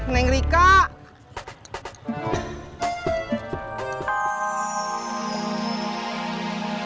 neng rika dimana